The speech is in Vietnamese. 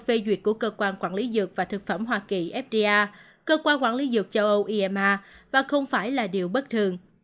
việc của cơ quan quản lý dược và thực phẩm hoa kỳ fda cơ quan quản lý dược châu âu ema và không phải là điều bất thường